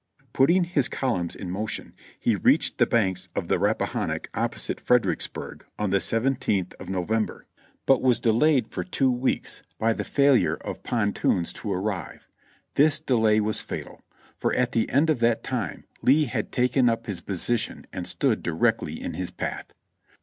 Putting his columns in motion, he reached the banks of the Rappahannock opposite Fredericksburg on the seventeenth of November, but was delayed for two weeks by the failure of the 314 JOHNNY REB AND BILLY YANK ])ontoons to arrive; this delay was fatal, for at the end of that time Lee had taken up his position and stood directly in his path.